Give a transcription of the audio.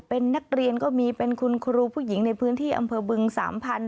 เป็นนักเรียนก็มีเป็นคุณครูผู้หญิงในพื้นที่อำเภอบึงสามพันธ